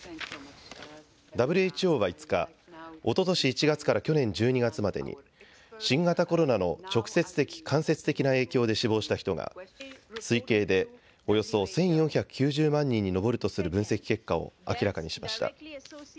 ＷＨＯは５日、おととし１月から去年１２月までに新型コロナの直接的、間接的な影響で死亡した人が推計でおよそ１４９０万人に上るとする分析結果を明らかにしました。